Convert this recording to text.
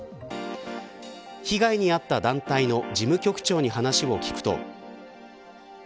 被害に遭った団体の事務局長に話を聞くと。